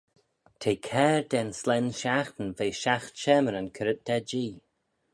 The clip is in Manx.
T'eh cair da'n slane shiaghtin ve shiaght shamyryn currit da jee.